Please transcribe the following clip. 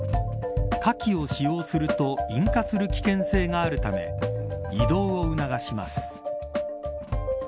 火器を使用すると引火する危険性があるため移動を促します。